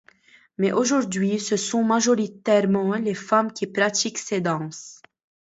Mais aujourd'hui, ce sont majoritairement les femmes qui pratiquent ces danses.